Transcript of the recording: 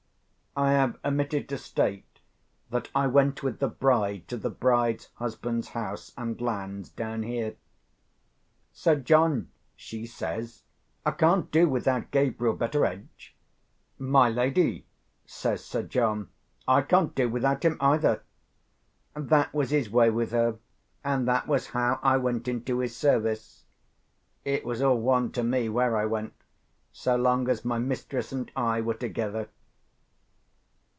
I have omitted to state that I went with the bride to the bride's husband's house and lands down here. "Sir John," she says, "I can't do without Gabriel Betteredge." "My lady," says Sir John, "I can't do without him, either." That was his way with her—and that was how I went into his service. It was all one to me where I went, so long as my mistress and I were together.